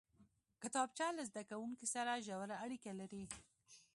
کتابچه له زده کوونکي سره ژوره اړیکه لري